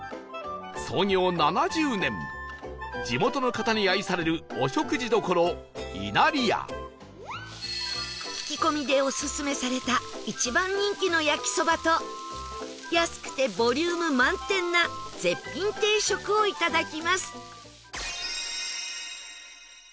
創業７０年地元の方に愛される聞き込みでオススメされた一番人気の焼きそばと安くてボリューム満点な絶品定食をいただきます